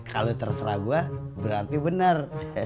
kalo terserah gua berarti benar